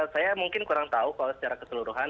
saya mungkin kurang tahu kalau secara keseluruhan